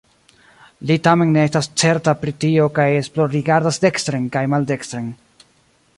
Li tamen ne estas certa pri tio kaj esplorrigardas dekstren kaj maldekstren.